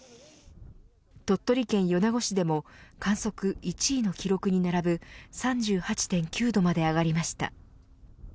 鳥取県米子市でも観測１位の記録に並ぶ３８．９度まで上がりました。